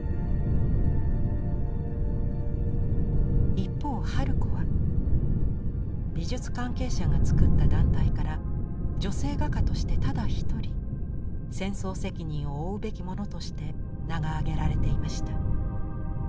一方春子は美術関係者が作った団体から女性画家としてただ一人「戦争責任を負うべきもの」として名が挙げられていました。